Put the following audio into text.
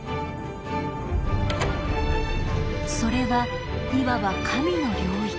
それはいわば「神の領域」。